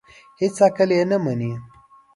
هېڅ عقل یې نه مني.